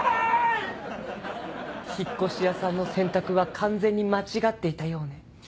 ・引っ越し屋さんの選択は完全に間違っていたようね。